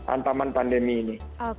antaman pandemi ini